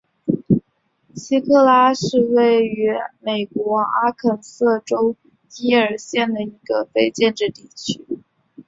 奇克拉是位于美国阿肯色州耶尔县的一个非建制地区。